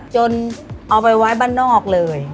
เอาไปไว้บ้านนอกเลย